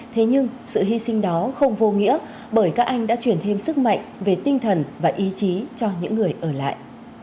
thế nhưng sự hy sinh đó không vô nghĩa bởi các anh đã chuyển thêm sức mạnh về tinh thần và ý chí cho những người ở lại